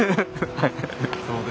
はい。